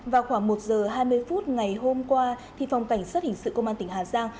vào khoảng một giờ hai mươi phút ngày hôm qua phòng cảnh sát hình sự công an tỉnh hà giang